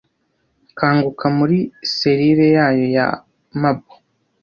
Kanguka muri selire yayo ya marble.